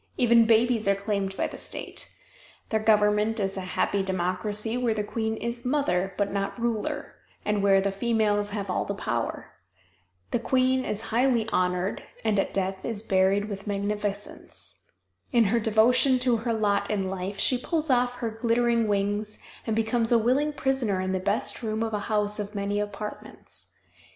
Even babies are claimed by the state. Their government is a happy democracy where the queen is "mother" but not ruler, and where the females have all the power. The queen is highly honored and at death is buried with magnificence. In her devotion to her lot in life she pulls off her glittering wings and becomes a willing prisoner in the best room of a house of many apartments.